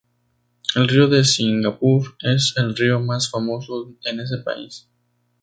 El río de Singapur es el río más famoso en ese país.